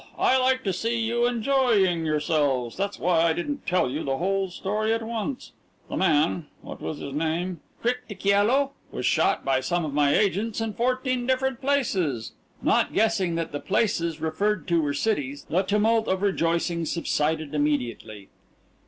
I like to see you enjoying yourselves. That's why I didn't tell you the whole story at once. The man what was his name? Critchtichiello? was shot by some of my agents in fourteen different places." Not guessing that the places referred to were cities, the tumult of rejoicing subsided immediately.